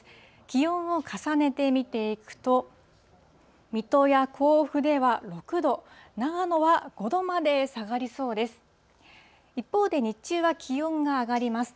気温を重ねて見ていくと、水戸や甲府では６度、長野は５度まで下がりそうです。